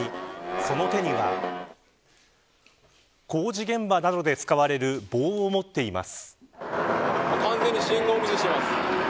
その手には工事現場などで使われる棒を持っています。